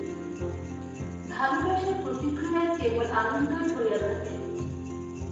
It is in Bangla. ভালবাসার প্রতিক্রিয়ায় কেবল আনন্দই হইয়া থাকে।